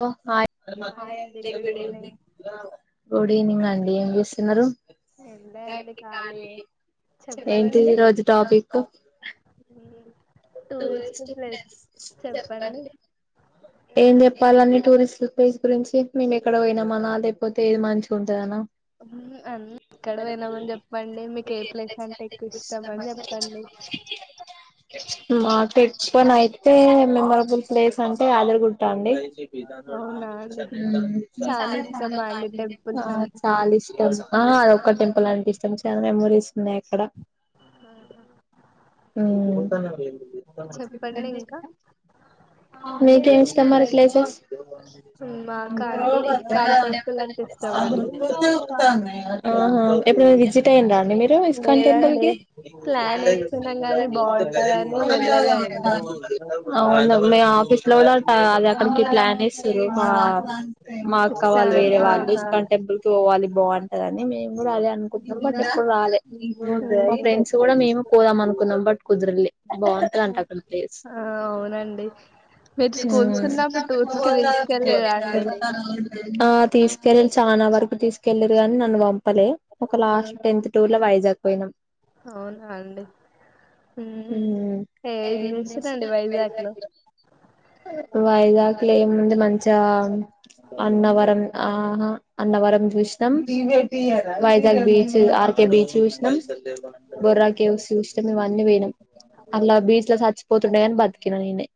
Hello good evening అండి. ఏం చేస్తున్నారు. ఏంటి ఈరోజు టాపిక్కు ఏం చేప్ కొన్ని టూరిస్టు ప్లేస్ గురించి మేము ఎక్కడ పోయినామనా లేకపోతే ఏది మంచిగా ఉంటుదనా. మాక్ ఎక్కువనయితే మెమరబుల్ ప్లేస్ అన్. టే అలుగుడు ఉంటా అండి మ్మ్ ఆ చాలా ఇష్టం ఆహ్ అదొక్క టెంపుల్ ఆన్ ష్టము చాలా మెమోరీస్ ఉన్నాయి అక్కడ. మ్ మీకేం ఇష్టం మరి ప్లేస్ ఆహా ఎప్పుడు విజిట్ అయిన్ మీరు ఇస్కాన్ టెంపుల్కి ప్లాన్ వేస్తూరు మా అక్క వాళ్ళు వేరే వాళ్ళు ఇస్కాన్ టెంపుల్ కి పోవాలి బావుంటది అని, మేం కూడా అదే అనుకుంటున్నాం బట్ ఎప్పుడు రాలే. ఫ్రెండ్స్ కూడా మేము పోదాం అనుకున్నాం బట్ కు [unintelligible] ఆ అవునండి మీరు స్కూల్స్ ఉన్నప్పుడు టూర్స్ [unintelligible] ఆ తీసుకెళ్ళి చాలా వరకు తీసుకెళ్ళరుగాని నన్నుంపలే ఒక లాస్ట్ టెన్త్ టూ లో వైజాగ్ పోయినా అవునా అండి ఎం చేస్తున్నారు అండి వైజాగ్లో వైజాక్లో ఏం ముంది మంచా అన్నవరం, ఆహ అన్నవరం చూసినాం వైజాగ్ బీచ్ ఆర్కే బీచ్ చూసినాం, బొర్రా కేవ్స్ చూసినాం ఇవన్నీ పోనాం అట్లా బీచ్ లో చచ్చిపోతుండేయి అని బతికినా నేనే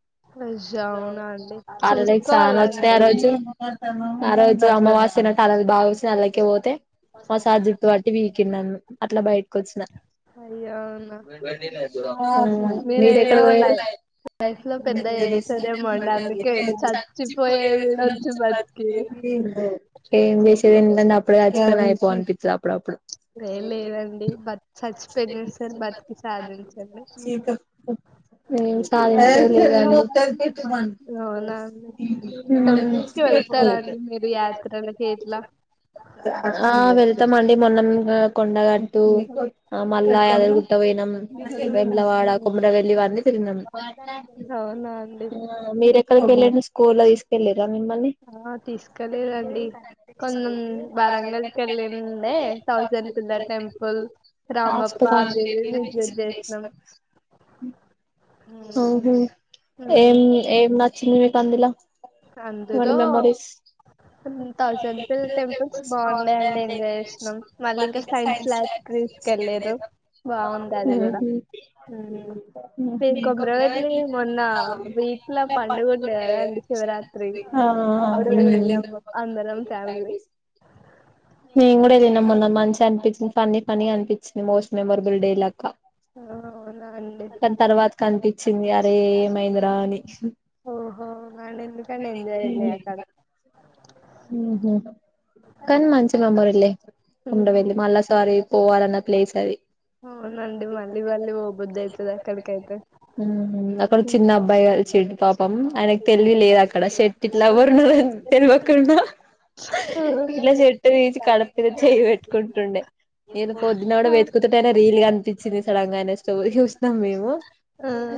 అజజ అవునా అండి చూసుకోవాలండి ఆ రోజు అమవాస్య రోజు కలలు బాగా వచ్చిన నల్లకే పోతే మ సార్ జుట్టు పట్టుకొని పీకిండు నను అట్లా బయటక వచ్చిన [unintelligible] మీరు ఎక్కడ పోయద్దాల ఎం చేసి ఎం ఉంది అండి [unintelligible] ప్రాప రేం లేదండి బతి చచ్చి పెనిసారు బతికి సాధించారు అ వెళతాం అండి మొన్న హా కొండగాట్టు మళ్ళా తవేనా వెంలగాడ కుమారగల్లి అన్నీ తిరిగినాం మీరు ఎక్కడిక వెళ్ళిండ పూల తీసుకళ్లిరా ఆ తీసుకలేదండి కొంచెం వరంగల్కి వెళ్ళండే థౌసండ్ పిల్లర్ టెంపుల్ రామప్ప అవి ఇవి విజిట్ చేసిన ఓహో ఏం ఏనా చినివి కందులా ఇక అందులో థౌజంపిిల్ల టెంపుల్స్ బాగున్నాయంండి ఎంజాయ్ చేసినాం మళ్ళీ ఇంకా సైన్స్ ల్యాబ్ స్కి వెళ్ళారు బాగుంది అది కూడా ఉమ్ ఊహు శివరాత్రి అప్పుడు వెళ్ళినాము అందరం ఫ్యామిలీ నేను కూడా తిన్నా అది మోన్న మంచి అనిపించింది ఫనినీ పని అనిపించింది మోస్ట్ మెమొరబుల్ డే లేక్క దానీ తర్వాత కనిపించింది అరే ఏమైంది కాని ఓహో మరి ఎందు కండి ఎంజాయ్ లే కాడ కానీ మంచి మెమోరీల్లే ఉండ వెెళ్లిి మళ్ళా సారి పోవాలన్న ప్లేస్ అది ఉమ్ అక్కడ చిన్న అబ్బాయి గారు చెట్ పాపం ఆయనకు తెలివి లేదు అక్కడ చెట్టు ఇట్లా ఎవ్వరున్న తెలి ఇట్లా చెట్టు తీచి కడపు మీద చెయి పెట్టుకుంటుండే ఏద పొద్దున్న కూడా వెతుకుతు తానా రీల్ గా అనిపించింది సడన్ గా అయినా స్టోరీ చూసాం మేము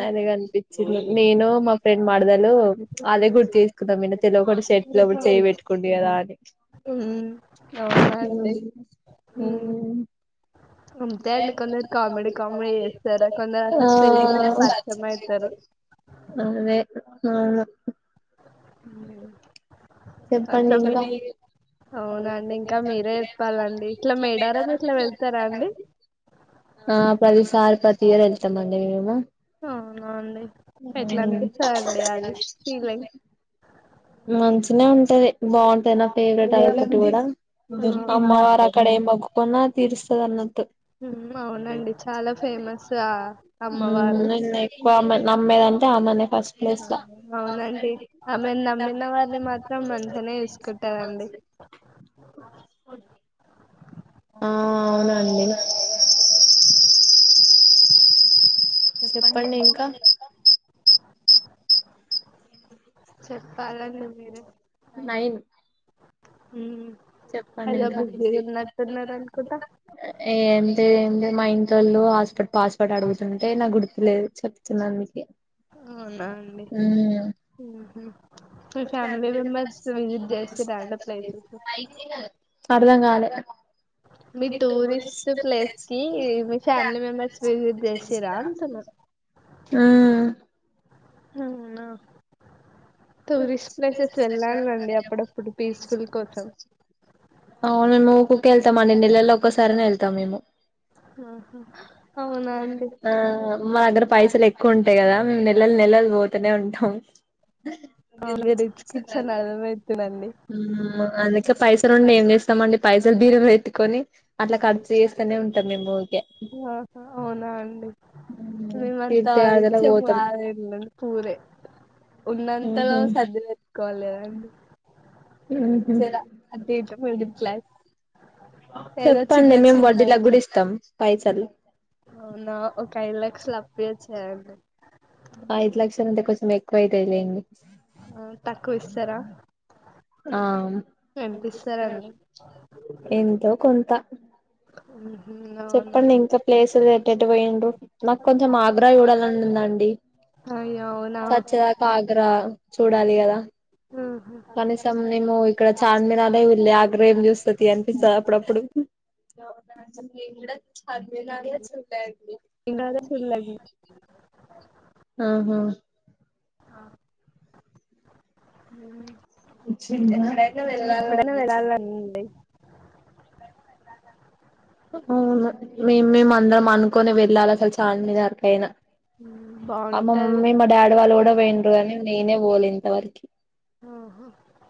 అద అనిపించింది నేను మా ఫ్రెండ్ మాడదలు అదే గుర్తు తీసుకున్నాాంన్న తెలివ కూడా షర్ట్ లో చేయ పెట్టుకుండి కదా అది ఉమ్ అవున అండి ఆయ్ అదే గవును హుమ్ చెప్పండి ఇంకా ఆ ప్రతిసారి తీవర ఎళ్తండండిమ అవునండి ఎట్ల అని పిస్తదండి అది ఫీలింగ్ ఇది మంచిగనే ఉంటే బాగుంట అయిత నె ఫేవరెట్ అయిటు కూడా దంప అమ్మవారు అక్కడ ఏం మొక్కుకున్నా [unintelligible] అవునండి చాలా ఫేమస్ ఆ అమ్మవారు దా మనే [unintelligible] అవునండి ఆమె నమ్మిన వారిని మాత్రం మంచనే చూసుకుంటారండి. [unintelligible] ఆ అవునండి చెప్పండి ఇంకా చెప్పాలండి మీరే [unintelligible] హుమ్ చెప్పండి ఏదో బిజీగ ఉన్నట్టు ఉన్నారు అనుకుంటా, ఏమ్ లేదు. మా ఇంటొల్లు హాట్స్పాట్ పాస్పర్డ్ అడుగుతుంటే, నాకు గుర్తు లేదు అని చెప్తున్నా మీకి. అవునా అండి ఉ మీ ఫ్యామిలీ మెంబెర్స్ విజిట్ చేసిరా ప్లేసెస్ కి, అర్థం కాలే టూరిస్ట్ ప్లేసెస్లకి ఫ్యామిలీ మెంబెర్స్ విసిట్ చేసిరా అంటున్న. హమ్ అవునా టూరిస్ట్ ప్లేసెస్ వెళ్ళలండి అప్పుడప్పుడు పీస్ఫుల్ కోసం అవును నూకు వెళ్తాం అండి నెలలో ఒక్కసారి అన వెళ్తాం మేము. ఆహా అవునా అండి పైసలు ఎక్కువ ఉంటాయి గదా, మేము నెల్లలు నెలలు పోతనే ఉంటాం. మీర్ రిచ్ కిడ్స్ అని అర్థమైతుందండి హమ్ అందుకే పైసలుండి ఏం చేస్తామండి పైసలు బీరువలో ఏట్టుకొని ఆహా అవునా అండి మేము అంతా రిచ్ ఏం కాదండి పూర్ ఏ. ఉన్నంతలో సర్ది పెట్టుకోవాలి కదండి. అంతేరా అంటే ఇంటర్ మిడిల్ క్లాస్ చెప్పండి మేము వడ్డీలగు గూడ ఇస్తాం. అవునా ఒక ఐదు లక్షలు అప్పియోచ్చు కదండి. ఐదు లక్షలు అంటే కొంచం ఎక కొయితేలెండి ఆ తక్కువ ఇస్తరా ఆ ఎంతో కొంత చెప్పండి ఇంకా ప్లేసులు ఎట్టెటు పోయిండ్రు నాకు కొంచెం ఆగ్రా చూడాలనుందండి చచ్చేదాకా ఆగ్రా చూడాలి గదా కనీసం మేము ఇక్కడ చార్మినారే చూడలే ఆగ్రా ఏం చూస్తా తీ అనిపిస్తది అప్పుడప్పుడు అ నచ్చింది ఏం గూడ చార్మినార్ ఏ చూడలే అండి ఆహా ఆ హమ్ ఉచ్చి అడతే వెళ్ళాలచ్చింది అవును మేం మేమందరం అనుకొని వెళ్ళాలసలు చార్మినార్ కయినా ఆమె [unintelligible] మా డాడి వాళ్ళు కూడా పోయిండు గాని నేనే పోలే ఇంతవరకి ఆహా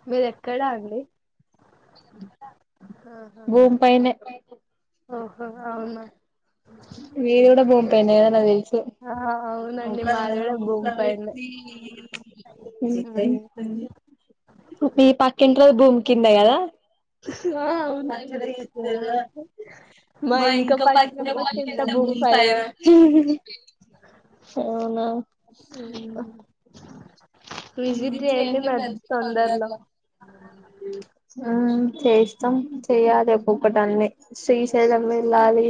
మీరెక్కడ అండి భూమి పైనే మీది కూడా భూమి పైనే నాకు తెలిసి థ్యాంక్ ూ థ్యాంక్ ూ మీ పక్కింట్లో భూమి కింద కదా ఇ మ ఇంకా ప భసయనా అవునా ఆ ఇష్టం చెయ్యాలి ఇంకొక్కదాన్నే శ్రీశైలం వెళ్ళాలి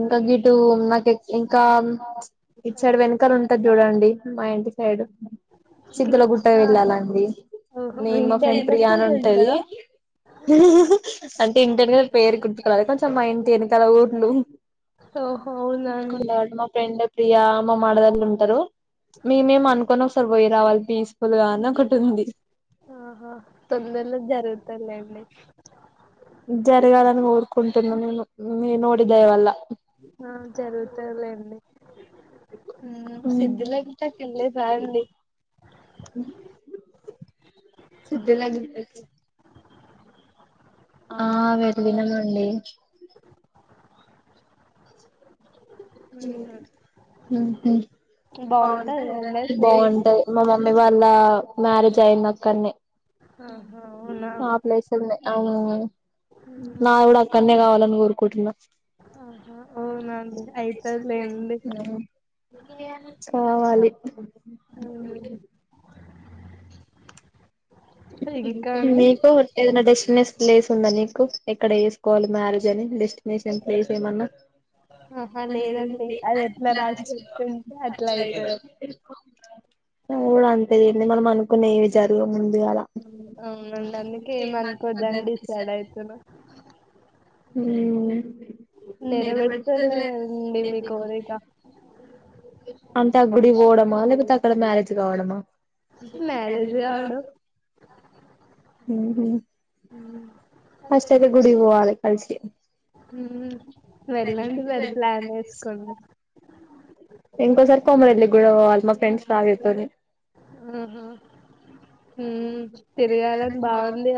ఇంకా గిటు నాతో ఇంకా ఇచ్చడు వెనకాల ఉంటుది చూడండి మా ఇంటి తాడు సిద్దుల గుట్ట వెళ్ళాలండి నేను మా ఫ్రెండ్ ప్రియ అని ఉంటది అంటే ఇంటెనకాల పేరు గుర్తుకురాలా కొంచెం మా ఇంటి వెనకాల ఊర్లు ఫ్రెండ్ ప్రియ అమ మరదలు ఉంటారు మేమేం అనుకోనొకసారి పోయి రావాలి పీస్ఫుల్ గా అనొకటుంది లేండి జరగాలని కోరుకుం అవును ఆ జరుగుతలేండి మ్ సిద్ధలాకిట్ట కల్లే అండి సిద్ద [unintelligible] ఆ వెళ్లినం అండి బాగుంటాయి మా మమ ఇవాళ మ్యారేజ్ అయింది అక్కడనే, ఆ ప్లేస్ అవు నా కూడా అక్కడనే కావాలని కోరుకు కున్నా ఆహా అవునా అండి అయి కావాలి మీకు ఏదనా డెస్టినేషన్ ప్లేస్ ఉందా నీకు ఎక్కడ వేసుకోవాలి మ జ్ అని లిస్ట్ [unintelligible] ప్లేస్ ఎమన్నా కూడా అంతే అండి మనం అనుకునే ఏవి జరగవు ముందుగా అవునండి అందుకేమ అనుకోద్దండి డిసైడ్ అయితును ఉ అంత గుడి పోడం మా లేక తక్క అక్కడ మ్యారేజ్ కావడమా మ్యారేజ్ గాడో మ్ హు మ్ [unintelligible] గుడి పోవాలి కలిసి మ్ వెళ్ళండి మరి ప్లాన్ వేసుకుని ఎంక సర్కమరలి గు అల్ మా ఫ్రెండ్స్ సాగతుంది మ్ తిరగాలని బాగుంది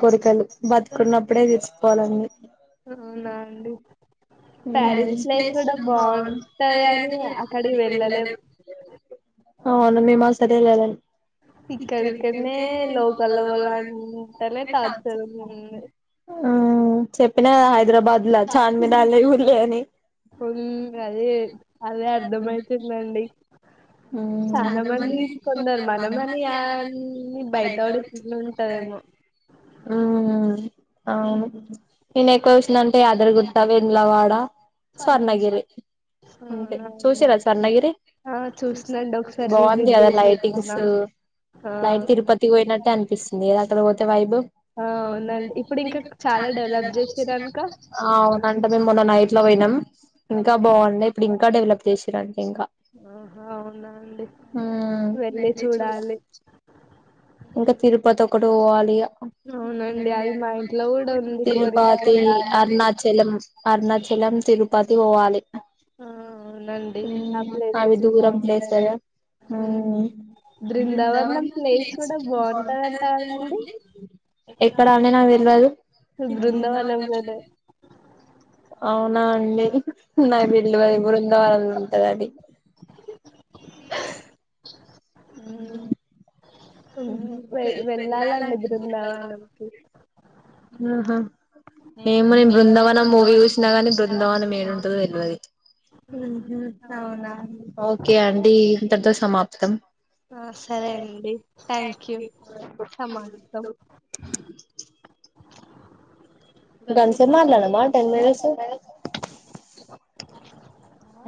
కోరికలు బతుకునపుడే [unintelligible] పలాంది అవునా అండి హు ప్యారీస్ ప్లేస్ కూడా బాగుంటది కానీ అక్కడికి వెళ్ళలేం మీము అవును మిమసల్ ఎల్లలేం ఇక్కడిక్కన్నే లోకల్ల పోదామాంటేనే ఆ చెప్ ప్పిన హై ద్రబాద్ ల చార్మి ఉ అదే అదే అర్ధమయితుందండి హు హు అవును నేను ఎక్కువ చూసిందంటే అది జరుగు కా వేములవాడ స్వర్ణగిరి అంతే చూసిర్రా స్వర్ణగిరి బాగుంది కదా లైటింగ్స్ లైక్ తిరుపతికి పోయినట్టే అనిపిస్తుంది కదా అక్కడ పోతే వైభవ్ ఆ అవునంట మేం మొన్న నైట్ ట్లా పోయినాం ఇంకా బాగుండె ఇప్పుడు ఇంకా డెవలప్ చేసిరంట ఇంకా అవునండి వెళ్ళి చూడాలి ఇంకా తిరుపతి ఒకటి పోవాలి ఇగ తిరుపాతి అరుణాచలం అరుణాచలం తిరు పతి పోవాలి ఆ అవునండి ఆ ప్లేసెస్ బాగుంటాయి బృందావనం ప్లేస్ కూడా ఎక్కడ అండి నాకు తెల్ డది సు బృందవనంలదే అవునా అండి నాక్ తెల్వది బృ దావనంల ఉంటదది హు వె వెళ్ళాలండి బృందావనంకి ఆహ ఏమో నేను బృందావనం మూవీ చూసిన కాని బృందావనం ఏడుంటదో తెల్వది మ్ హు అవున ఓకే అండి ఇంతటితో సమాప్త తం ఆ సరే అండి థ్యాంక్ సమాస్తం గంసె మారలానమ్మా టెన్ మనిట్స్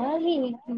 అది